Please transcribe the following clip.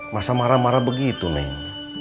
masa marah marah begitu nih